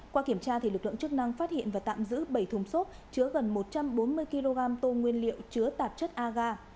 qua kiểm tra lực lượng chức năng phát hiện và tạm giữ bảy thùng xốp chứa gần một trăm bốn mươi kg tôm nguyên liệu chứa tạp chất aga